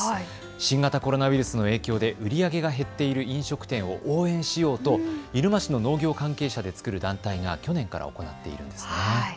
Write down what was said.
新型コロナウイルスの影響で売り上げが減っている飲食店を応援しようと入間市の農業関係者で作る団体が去年から行っているんです。